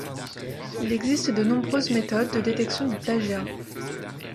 Il existe de nombreuses méthodes de détection du plagiat.